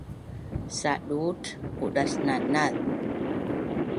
Saduut quadsnanaz